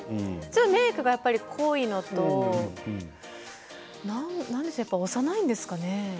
メークが濃いのと幼いんでしょうかね。